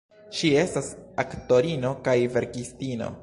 Ŝi estas aktorino kaj verkistino.